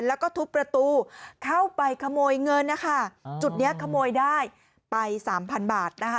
แล้วก็ทุบประตูเข้าไปขโมยเงินนะคะจุดนี้ขโมยได้ไปสามพันบาทนะคะ